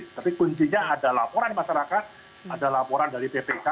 tapi kuncinya ada laporan masyarakat ada laporan dari ppk